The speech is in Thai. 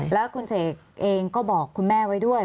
แล้วคุณเสกเองก็บอกคุณแม่ไว้ด้วย